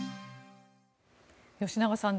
吉永さん